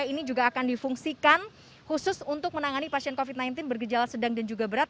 ini juga akan difungsikan khusus untuk menangani pasien covid sembilan belas bergejala sedang dan juga berat